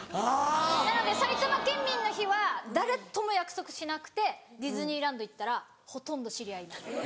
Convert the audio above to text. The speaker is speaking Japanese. なので埼玉県民の日は誰とも約束しなくてディズニーランド行ったらほとんど知り合いいます。